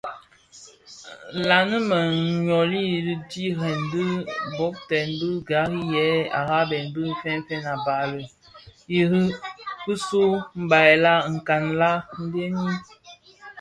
Lanne më nloghi dhi tirèd ti bodhèn bi gari yi bë araben bi fènfèn a bali Ire kisu: Mbai la? nkan la? dhëni.